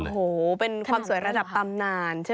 โอ้โหเป็นความสวยระดับตำนานใช่ไหม